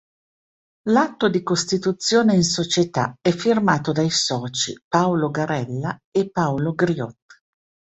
L'atto di costituzione in Società è firmato dai soci Paolo Garella e Paolo Griot.